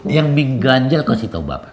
yang diganjel kasih tau bapak